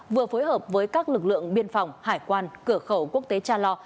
vừa phối hợp với các lực lượng biên phòng hải quan cửa khẩu quốc tế cha lo